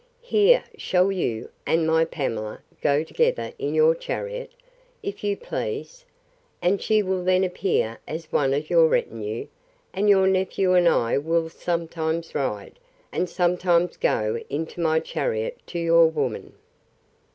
Here shall you, and my Pamela, go together in your chariot, if you please; and she will then appear as one of your retinue; and your nephew and I will sometimes ride, and sometimes go into my chariot, to your woman.